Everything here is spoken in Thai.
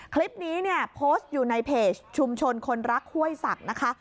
คลิปนี้เนี่ยโพสต์อยู่ในเพจชุมชนคนรักห้วยศักดิ์นะคะ